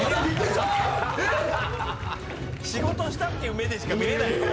仕事したっていう目でしか見れないよ。